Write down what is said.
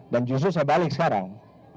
dan justru saya balik sekarang